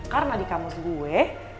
karena di kamus gue